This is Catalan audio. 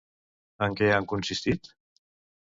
En què han consistit?